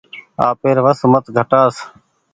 آپير وس مت گھٽآس ۔